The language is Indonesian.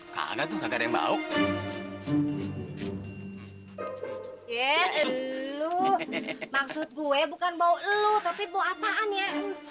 kagak kagak ada yang bau ya lu maksud gue bukan bau lu tapi bau apaan ya